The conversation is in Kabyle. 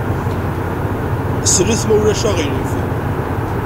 Slet, ma ulac aɣilif.